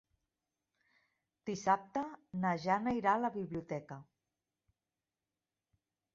Dissabte na Jana irà a la biblioteca.